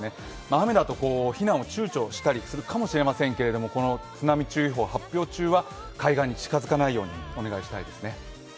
雨だと避難をちゅうちょしたりするかもしれませんけど、津波注意報発表中は海岸に近づかないようお願いしたいですね。